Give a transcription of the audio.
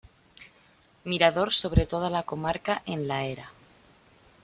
Mirador sobre toda la comarca en la Era.